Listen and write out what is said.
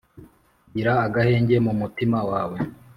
Gira agahenge mu mutima wawe